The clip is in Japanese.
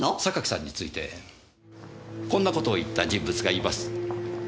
榊さんについてこんな事を言った人物がいます。